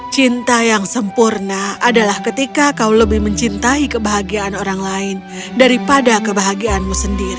cinta yang sempurna adalah ketika kau lebih mencintai kebahagiaan orang lain daripada kebahagiaanmu sendiri